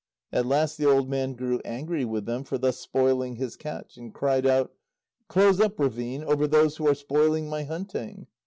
At last the old man grew angry with them for thus spoiling his catch, and cried out: "Close up, Ravine, over those who are spoiling my hunting."